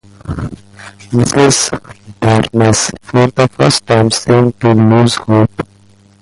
Mrs. Barnes for the first time seemed to lose hope.